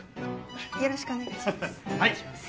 よろしくお願いします。